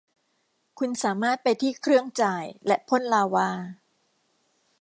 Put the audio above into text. คุณสามารถไปที่เครื่องจ่ายและพ่นลาวา